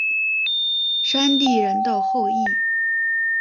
山地人的后裔。